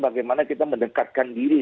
bagaimana kita mendekatkan diri